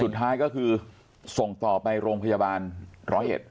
สุดท้ายก็คือส่งต่อไปโรงพยาบาลร้อยเอ็ด